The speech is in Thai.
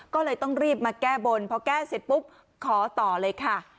ก็เลยต้องรีบมาแก้บนพอแก้เสร็จปุ๊บขอต่อเลยค่ะ